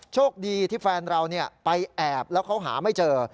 โชคดีที่แฟนเราไปแอบแล้วเขาหาไม่เจอ